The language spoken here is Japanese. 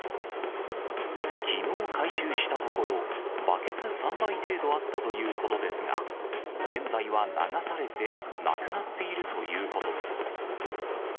きのう回収したところ、バケツ３杯程度あったということですが、現在は流されて、なくなっているということです。